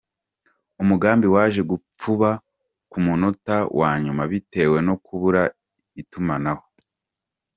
Umugambi waje gupfuba ku munota wa nyuma bitewe no kubura itumanaho !